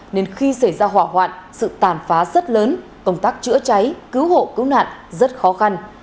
nên khi xảy ra hỏa hoạn sự tàn phá rất lớn công tác chữa cháy cứu hộ cứu nạn rất khó khăn